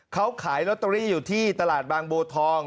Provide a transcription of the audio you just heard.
เขาขายลอตเตอรี่อยู่ที่ตลาดบางโบทอง